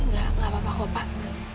gak gak apa apa kok pak